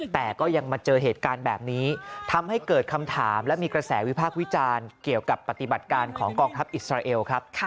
แต่ก็ยังมาเจอเหตุการณ์แบบนี้ทำให้เกิดคำถามและมีกระแสวิพากษ์วิจารณ์เกี่ยวกับปฏิบัติการของกองทัพอิสราเอลครับ